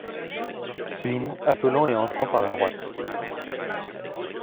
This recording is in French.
Céline appelant et entrant par la droite.